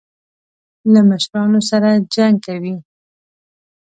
له مشرانو سره جنګ کوي.